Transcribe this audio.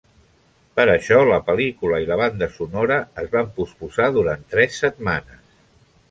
Per això, la pel·lícula i la banda sonora es van posposar durant tres setmanes.